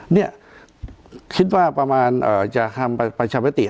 เนี่ยคิดว่าประมาณจะทำประชามติ